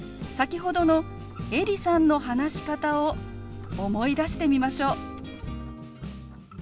先ほどのエリさんの話し方を思い出してみましょう。